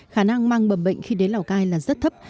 khả năng mang bầm bệnh khi đến lào cai là rất thấp